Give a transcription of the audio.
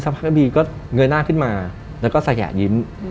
เชิญให้บีเงยหน้าขึ้นมาแล้วก็สะแยะยิ้ม